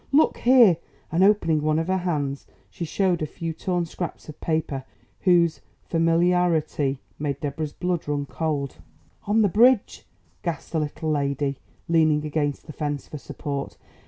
"Look here!" And, opening one of her hands, she showed a few torn scraps of paper whose familiarity made Deborah's blood run cold. "On the bridge," gasped the little lady, leaning against the fence for support.